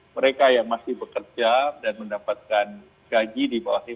mereka yang masih bekerja dan mendapatkan gaji di bawah tiga puluh